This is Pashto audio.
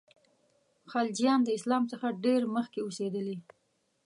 خلجیان د اسلام څخه ډېر مخکي اوسېدلي.